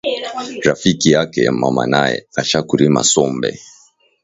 Rafiki yake ya mama naye asha kurima sombe